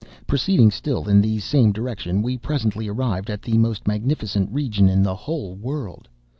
"Proceeding still in the same direction, we presently arrived at the most magnificent region in the whole world.